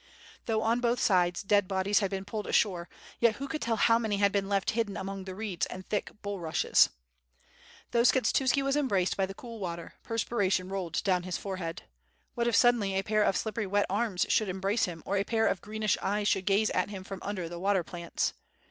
Though on both sides dead bodies had been pulled ashore, yet who could tell how many had been left hidden among the reeds and thick bulrushes? Though Skshetuski wrs embraced by the cool water, perpiration rolled down his forehead. What if suddenly a pair of slippery wet arms should embrace him, or a pair of greenish eyes should gaze at him from under the water plants?